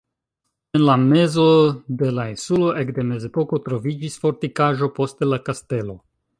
En la mezo de la insulo ekde mezepoko troviĝis fortikaĵo, poste la kastelo.